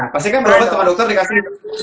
pasti kan berobat sama dokter dikasih